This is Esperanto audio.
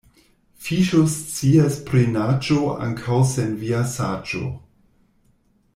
Fiŝo scias pri naĝo ankaŭ sen via saĝo.